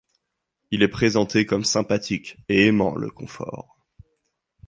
Il est présenté comme sympathique et aimant le confort.